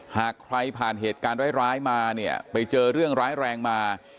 หากใครผ่านเหตุการณ์ร้ายมาเนี่ยไปเจอเรื่องร้ายแรงมา